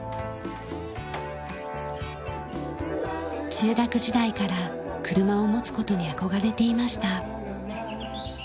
中学時代から車を持つ事に憧れていました。